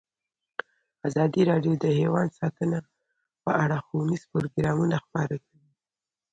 ازادي راډیو د حیوان ساتنه په اړه ښوونیز پروګرامونه خپاره کړي.